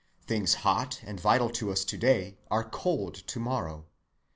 Things hot and vital to us to‐day are cold to‐morrow.